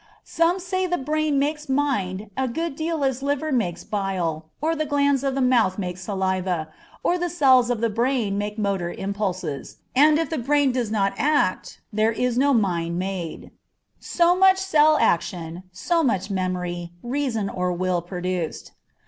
Some say the brain makes mind a good deal as liver makes bile, or the glands of the mouth make saliva, or the cells of the brain make motor impulses, and if the brain does not act there is no mind made; so much cell action, so much memory, reason, or will produced.